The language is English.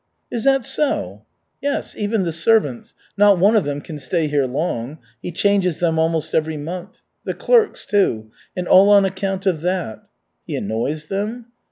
"Is that so?" "Yes. Even the servants. Not one of them can stay here long. He changes them almost every month. The clerks, too. And all on account of that." "He annoys them?"